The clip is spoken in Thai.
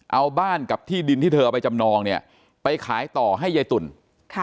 เอาบ้านกับที่ดินที่เธอเอาไปจำนองเนี่ยไปขายต่อให้ยายตุ๋นค่ะ